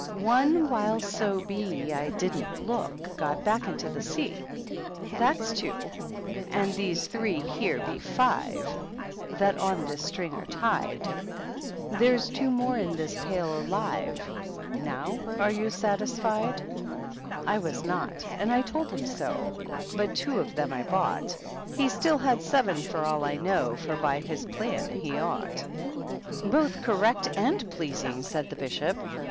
One, while so be I didnH look. Got back into the sea. Thais two ; and these three here be five That on this string are tied; THE BISHOPS. 191 There^s two more in this pail ali/ve ; Now are you saMsfiedf I was noty and I told him so ; But two of them I boitght. He still had severiy for all I knoWy For by his plan he oughtJ^ "Both correct and pleasing," said the Bishop.